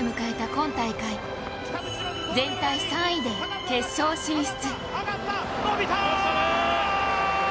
今大会全体３位で決勝進出。